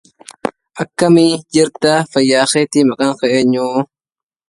ينبّئ عن عقل كل امرءٍ لسانه، ويدلّ على فضله بيانه.